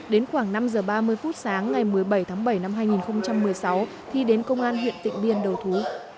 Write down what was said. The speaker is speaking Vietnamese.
đến khoảng năm giờ ba mươi phút sáng ngày một mươi bảy tháng bảy năm hai nghìn một mươi sáu thi đến công an huyện tịnh biên đầu thú